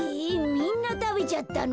みんなたべちゃったの？